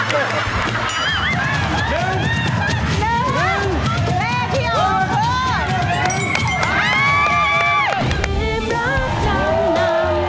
เล่พี่อฮะ